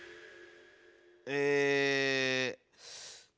え。